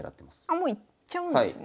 もう行っちゃうんですね。